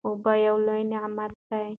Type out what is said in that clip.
اوبه یو لوی نعمت دی.